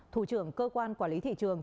thủ trưởng cơ quan quản lý thị trường